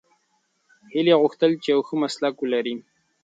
هیلې غوښتل چې یو ښه مسلک ولري.